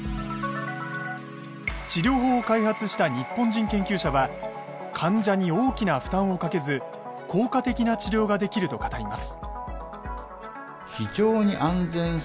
治療法を開発した日本人研究者は患者に大きな負担をかけず効果的な治療ができると語ります。